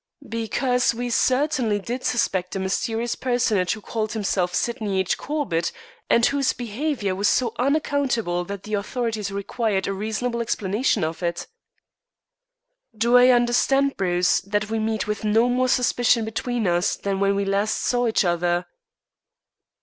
"Because we certainly did suspect a mysterious personage who called himself Sydney H. Corbett, and whose behavior was so unaccountable that the authorities required a reasonable explanation of it." "Do I understand, Bruce, that we meet with no more suspicion between us than when we last saw each other?"